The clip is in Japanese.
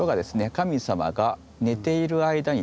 神様が寝ている間にですね